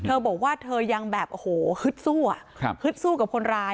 เธอบอกว่าเธอยังแบบโอ้โหฮึดสู้อะฮึดสู้กับคนร้าย